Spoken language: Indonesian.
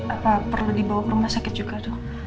apa perlu dibawa ke rumah sakit juga dok